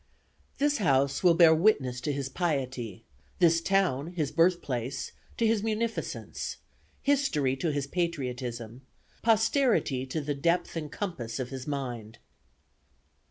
THIS HOUSE WILL BEAR WITNESS TO HIS PIETY; THIS TOWN, HIS BIRTHPLACE, TO HIS MUNIFICENCE; HISTORY TO HIS PATRIOTISM; POSTERITY TO THE DEPTH AND COMPASS OF HIS MIND.